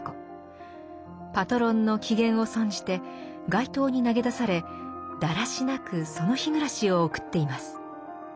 パトロンの機嫌を損じて街頭に投げ出されだらしなくその日暮らしを送っています。